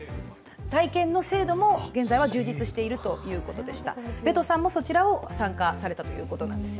体験の制度も今は充実しているということです